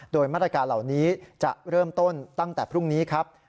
โดยมาตรการเหล่านี้จะเริ่มต้นตั้งแต่พรุ่งนี้ครับ